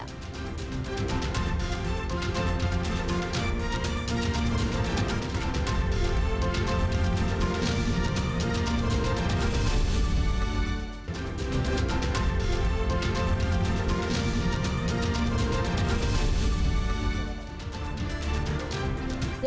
bicara tajuk headline